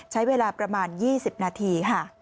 ใช้เวลาประมาณ๒๐นาทีค่ะ